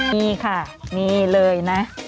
มีค่ะมีเลยนะ